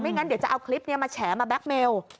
งั้นเดี๋ยวจะเอาคลิปนี้มาแฉมาแก๊กเมล